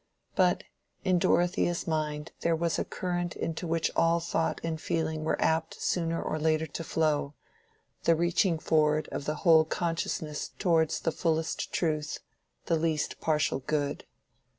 But in Dorothea's mind there was a current into which all thought and feeling were apt sooner or later to flow—the reaching forward of the whole consciousness towards the fullest truth, the least partial good.